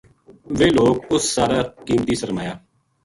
ویہ لوک اُس سارا قیمتی سرمایا